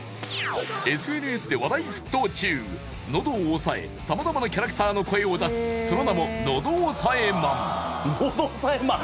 ＳＮＳで話題沸騰中喉を押さえ様々なキャラクターの声を出すその名も喉押さえマン